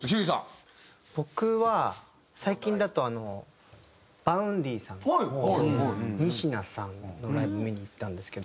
僕は最近だとＶａｕｎｄｙさんとにしなさんのライブを見に行ったんですけど。